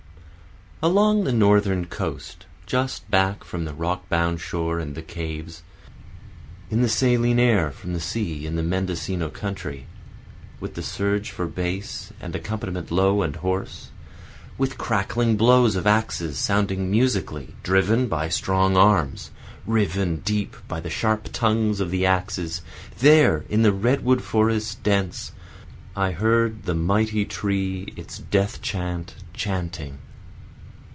Along the northern coast, Just back from the rock bound shore and the caves, In the saline air from the sea in the Mendocino country, With the surge for base and accompaniment low and hoarse, With crackling blows of axes sounding musically driven by strong arms, Riven deep by the sharp tongues of the axes, there in the redwood forest dense, I heard the might tree its death chant chanting.